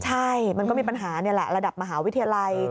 ใช่มันก็มีปัญหานี่แหละระดับมหาวิทยาลัย